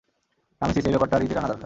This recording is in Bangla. রামেসিস, এই ব্যাপারটার ইতি টানা দরকার।